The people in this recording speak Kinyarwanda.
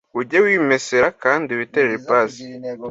Ujye wimesera kandi witerere ipasi